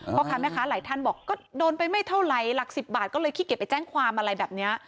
พ่อค้าแม่ค้าหลายท่านบอกก็โดนไปไม่เท่าไหร่หลัก๑๐บาทก็เลยขี้เก็บไปแจ้งความอะไรแบบนี้